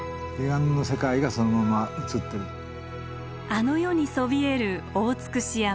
あの世にそびえる大尽山。